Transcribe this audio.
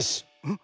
ん？